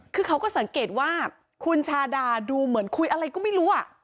คือเขาก็สังเกตว่าคุณชาดาดูเหมือนคุยอะไรก็ไม่รู้